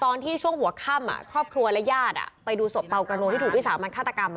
ตอนที่ช่วงหัวข้ำอ่ะครอบครัวและยาดอ่ะไปดูสมเปล่ากระโนที่ถูกหญิสามารถฆาตกรรมค่ะ